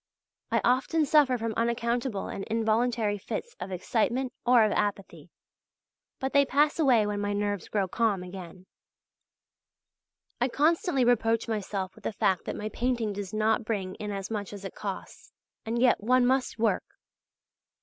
I often suffer from unaccountable and involuntary fits of excitement or of apathy; but they pass away when my nerves grow calm again. I constantly reproach myself with the fact that my painting does not bring in as much as it costs, and yet one must work.